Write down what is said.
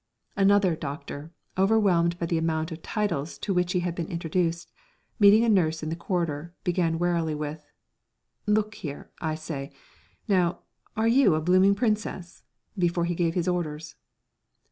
Another doctor, overwhelmed by the amount of titles to whom he had been introduced, meeting a nurse in the corridor, began wearily with: "Look here, I say, now, are you a blooming princess?" before he gave his orders!